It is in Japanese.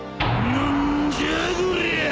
何じゃごりゃあ！